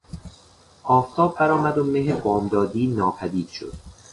آفتاب برآمد و مه بامدادی ناپدید شد.